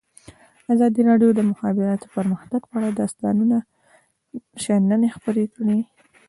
ازادي راډیو د د مخابراتو پرمختګ په اړه د استادانو شننې خپرې کړي.